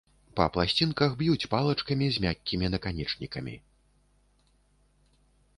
Па пласцінках б'юць палачкамі з мяккімі наканечнікамі.